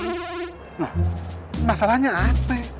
nah masalahnya apa ya